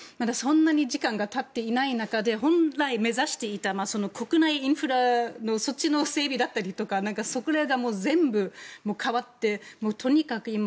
そんなに時間が経っていない中で本来目指していた国内インフラの整備だったりとかそこら辺が全部変わってとにかく